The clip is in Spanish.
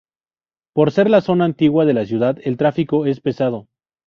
Por ser la zona antigua de la ciudad el tráfico es pesado.